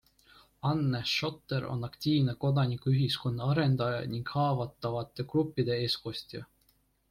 Anne Schotter on aktiivne kodanikuühiskonna arendaja ning haavatavate gruppide eestkostja.